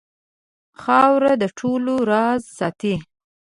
خاوره د ټولو راز ساتي.